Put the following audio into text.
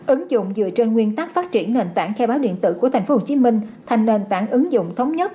ứng dụng dựa trên nguyên tắc phát triển nền tảng khai báo điện tử của tp hcm thành nền tảng ứng dụng thống nhất